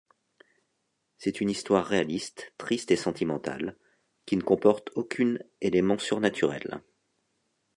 C'est une histoire réaliste, triste et sentimentale, qui ne comporte aucune élément surnaturel.